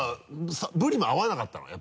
ブリも合わなかったのよ